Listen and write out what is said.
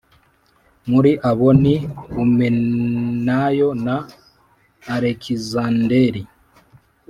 Muri abo ni Humenayo na Alekizanderi